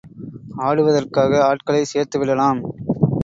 ஆடுவதற்காக ஆட்களை சேர்த்து விடலாம்.